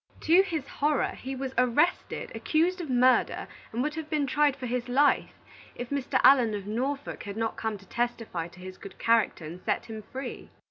To his horror, he was arrested, accused of murder, and would have been tried for his life, if Mr. Allen of Norfolk had not come to testify to his good character, and set him free.